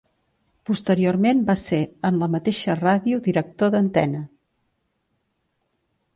Posteriorment va ser en la mateixa ràdio Director d'Antena.